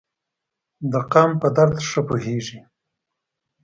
د قام په درد ښه پوهیږي.